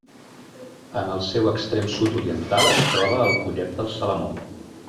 En el seu extrem sud-oriental es troba el Collet del Salamó.